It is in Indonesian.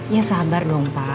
ya sabar dong pa